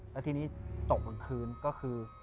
แล้วทีนี้ตกกลางคืนก็คือ